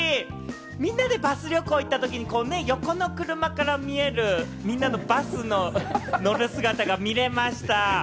みんなでバス旅行に行った時、横の車から見える、みんなのバスの乗る姿が見れました。